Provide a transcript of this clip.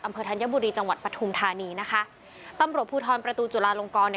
อำเภอธัญบุรีจังหวัดปฐุมธานีนะคะตำรวจผู้ท้อนประตูจุฬาลงกองเนี้ย